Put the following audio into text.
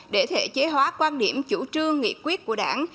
để thể chế hóa quan điểm chủ trương nghị quyết của đảng